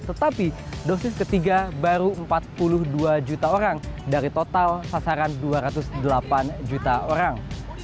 tetapi dosis ketiga baru empat puluh dua juta orang dari total sasaran dua ratus delapan juta orang